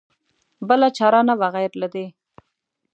بله چاره نه وه غیر له دې.